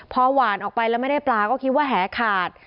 พอหวานออกไปแล้วไม่ได้ปลาก็คิดว่าแหขาด